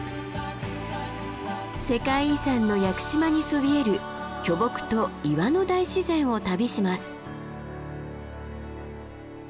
世界遺産の屋久島にそびえる巨木と岩の大自然を旅します。